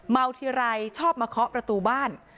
ทีไรชอบมาเคาะประตูบ้าน